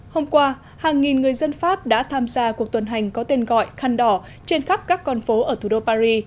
hôm qua hàng nghìn người dân pháp đã tham gia cuộc tuần hành có tên gọi khăn đỏ trên khắp các con phố ở thủ đô paris